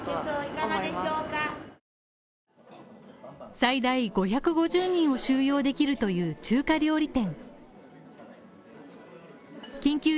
最大５５０人を収容できるという中華料理店。